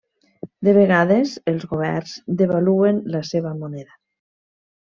De vegades, els governs devaluen la seva moneda.